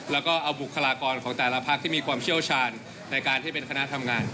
แล้วก็เอาบุคลากรของแต่ละพักที่มีความเชี่ยวชาญในการที่เป็นคณะทำงาน